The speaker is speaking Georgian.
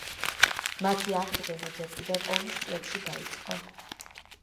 მათი აღდგენა ჯერ კიდევ ომის წლებში დაიწყო.